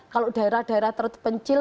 kalau daerah daerah terpencil